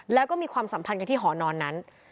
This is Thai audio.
แล้วก็มีความสัมพันธ์กันที่หอนอนนั้น